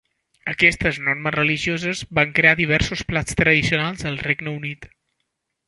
Aquestes normes religioses van crear diversos plats tradicionals al Regne Unit.